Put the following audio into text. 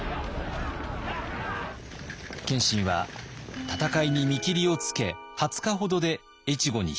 謙信は戦いに見切りをつけ２０日ほどで越後に引き揚げます。